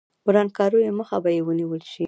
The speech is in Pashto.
ورانکاریو مخه به یې ونیول شي.